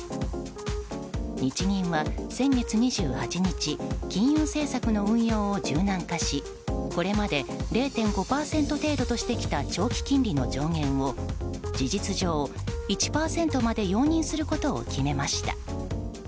日銀は、先月２８日金融政策の運用を柔軟化しこれまで０．５％程度としてきた長期金利の上限を事実上１％まで容認することを決めました。